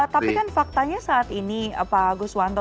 tapi kan faktanya saat ini pak agus wanto